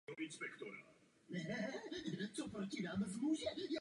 Dále sousedí s Izraelem na západě a Jordánskem na východě.